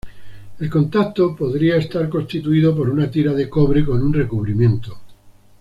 El contacto podría estar constituido por una tira de cobre con un recubrimiento.